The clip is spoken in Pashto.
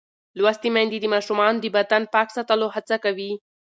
لوستې میندې د ماشومانو د بدن پاک ساتلو هڅه کوي.